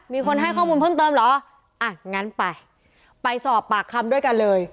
มีคนให้ข้อมูลเพิ่มเติมเหรออ่ะงั้นไปไปสอบปากคำด้วยกันเลย